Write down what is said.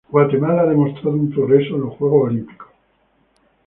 Guatemala ha demostrado un progreso en los Juegos olímpicos.